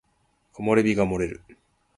木漏れ日が漏れる